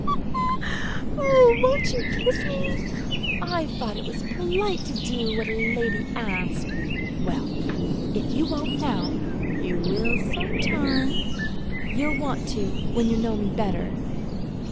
"Oh, you won't kiss me? I thought it was polite to do what a lady asked! Well, if you won't now, you will some time. You'll want to when you know me better."